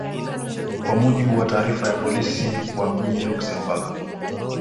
kwa mujibu wa taarifa ya polisi wa mjini luxemburg